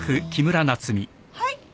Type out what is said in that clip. はい。